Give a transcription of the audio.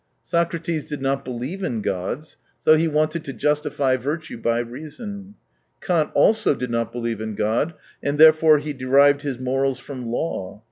Socrates did not believe in gods, so he wanted to justify virtue by reason. Kant also did not believe in God, and therefore he derived his morals from " Law."